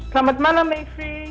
selamat malam mavie